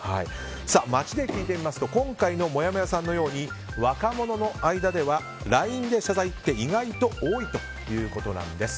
街で聞いていますと今回のもやもやさんのように若者の間ではＬＩＮＥで謝罪って意外と多いということです。